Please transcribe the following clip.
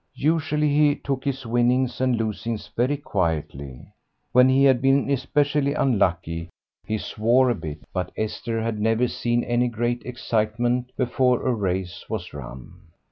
Usually he took his winnings and losings very quietly. When he had been especially unlucky he swore a bit, but Esther had never seen any great excitement before a race was run.